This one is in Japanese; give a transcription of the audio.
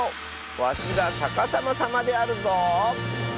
わしがさかさまさまであるぞ。